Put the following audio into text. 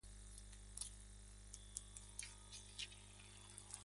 Es hijo de Ed y Marion Ham.